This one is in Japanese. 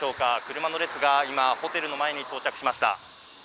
車の列が今、ホテルの前に到着しました。